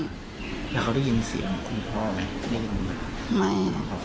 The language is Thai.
แต่เค้าได้ยินเสียงของคุณพ่อนี่